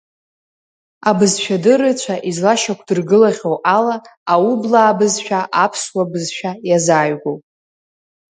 Абызшәадырыҩцәа излашьақәдыргылахьоу ала, аублаа бызшәа аԥсуа бызшәа иазааигәоуп.